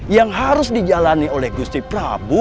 yang harus dijalani oleh gusti prabu